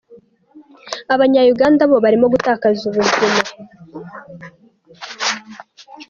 Abanya Uganda bo barimo gutakaza ubuzima”.